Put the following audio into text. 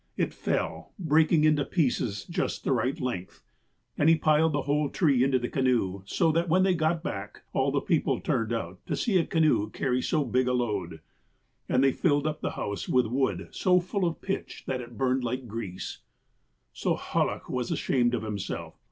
It fell, breaking into pieces just the right length, and he piled the whole tree into the canoe, so that, when they got back, all the people turned out to see a canoe carry so big a load. And they filled up the house with wood so full of pitch that it burned like grease. '' So Hallach was ashamed of himself.